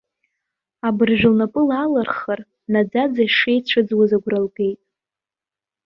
Абыржәы лнапы лаалырхар, наӡаӡа ишеицәыӡуаз агәра лгеит.